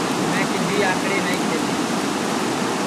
میں کِدھی اکڑے نائی کھیلے